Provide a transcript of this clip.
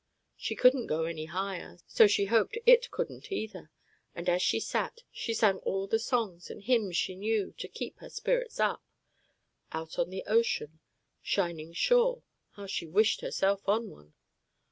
She couldn't go any higher, so she hoped it couldn't, either; and as she sat, she sang all the songs and hymns she knew, to keep her spirits up, "Out on an Ocean," "Shining Shore" (how she wished herself on one!)